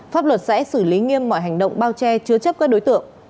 pháp luật sẽ xử lý nghiêm mọi hành động bao che chứa chấp các đối tượng